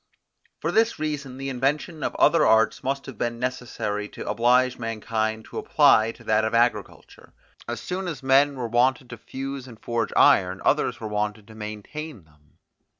For this reason the invention of other arts must have been necessary to oblige mankind to apply to that of agriculture. As soon as men were wanted to fuse and forge iron, others were wanted to maintain them.